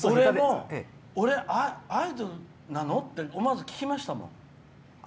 俺、アイドルなの？って思わず聞きましたもん。